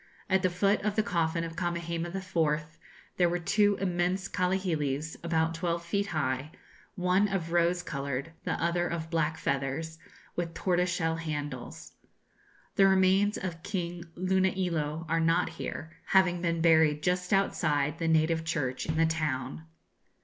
At the foot of the coffin of Kamehameha IV. there were two immense kahilis about twelve feet high, one of rose coloured, the other of black feathers, with tortoise shell handles. The remains of King Luna'ilo are not here, having been buried just outside the native church in the town.